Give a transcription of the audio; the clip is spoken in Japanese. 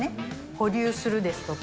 保留するですとか、